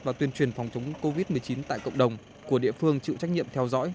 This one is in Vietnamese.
và tuyên truyền phòng chống covid một mươi chín tại cộng đồng của địa phương chịu trách nhiệm theo dõi